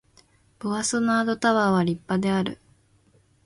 ボワソナードタワーは立派である